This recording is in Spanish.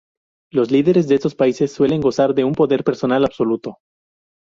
Los líderes de estos países suelen gozar de un poder personal absoluto.